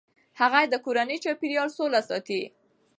هغې د کورني چاپیریال سوله ساتي.